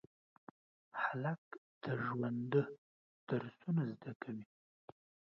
هلک د ژونده درسونه زده کوي.